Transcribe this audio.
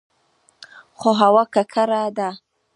خو هوا ککړه ده.